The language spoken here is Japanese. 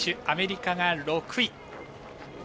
アメリカが６位。